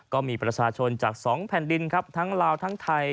ก็มีประชาชนจาก๒แผ่นดินครับทั้งลาวทั้งไทย